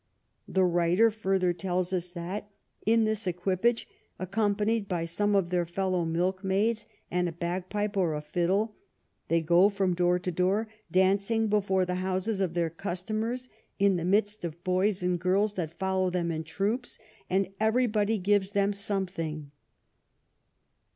The writer further tells us that *' in this Equipage, accompanied by some of their fellow Milk Maids, and a Bagpipe or a Fiddle, they go from Door to Door, dancing before the Houses of their Customers in the midst of Boys and Girls that follow them in Troops, and every Body gives them something."